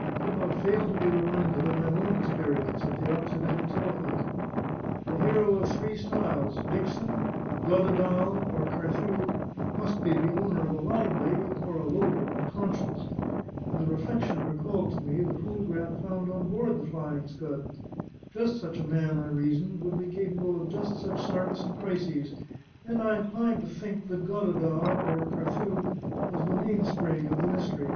I could not fail to be reminded of my own experience at the Occidental telephone. The hero of three styles, Dickson, Goddedaal, or Carthew, must be the owner of a lively or a loaded conscience, and the reflection recalled to me the photograph found on board the Flying Scud; just such a man, I reasoned, would be capable of just such starts and crises, and I inclined to think that Goddedaal (or Carthew) was the mainspring of the mystery.